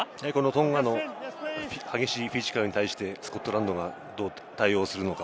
トンガの激しいフィジカルに対してスコットランドがどう対応するのか。